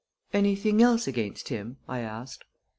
"Anything else against him?" I asked.